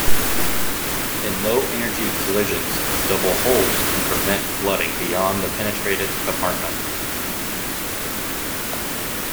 In low-energy collisions, double hulls can prevent flooding beyond the penetrated compartment.